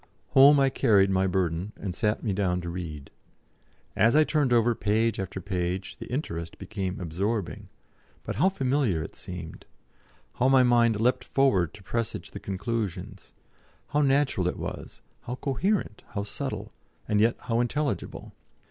Home I carried my burden, and sat me down to read. As I turned over page after page the interest became absorbing; but how familiar it seemed; how my mind leapt forward to presage the conclusions, how natural it was, how coherent, how subtle, and yet how intelligible.